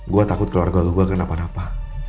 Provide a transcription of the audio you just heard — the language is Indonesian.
gue takut keluarga gue kena apa apa